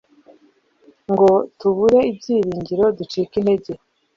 ngo tubure ibyiringiro ducike intege